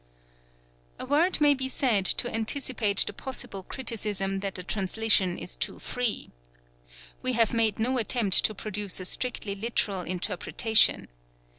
7 A word may be said to anticipate the possible criticism that the _ translation is too free. We have made no attempt to produce a strictly I literal interpretation.